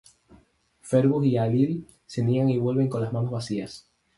Fergus y Ailill se niegan y vuelven con las manos vacías.